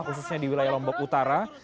khususnya di wilayah lombok utara